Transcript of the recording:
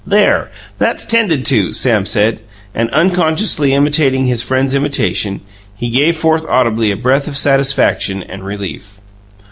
"There, THAT'S 'tended to!" Sam said, and, unconsciously imitating his friend's imitation, he gave forth audibly a breath of satisfaction and relief.